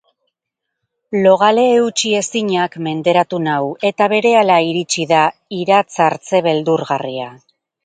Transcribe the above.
Logale eutsi ezinak menderatu nau, eta berehala iritsi da iratzartze beldurgarria.